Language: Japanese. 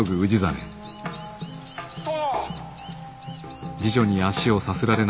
殿！